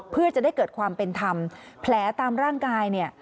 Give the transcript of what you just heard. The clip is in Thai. เพื่อจะได้เกิดความเป็นธรรมแผลตามร่างกายเนี่ย